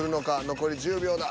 残り１０秒だ。